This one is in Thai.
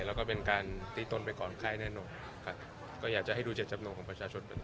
แล้วก็เป็นการตีตนไปก่อนไข้แน่นอนครับก็อยากจะให้ดูเจ็ดจำนงของประชาชนเหมือนกัน